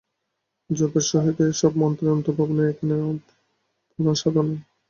জপের সহিত এই সব মন্ত্রের অর্থভাবনাই এখানে প্রধান সাধনা।